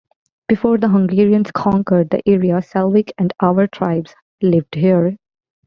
Before the Hungarians conquered the area, Slavic and Avar tribes lived here.